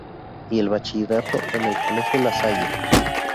Y el Bachillerato en el Colegio La Salle.